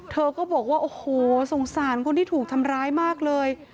เธอก็บอกว่าโอ้โหสงสารคนที่ถูกทำร้ายมากเลย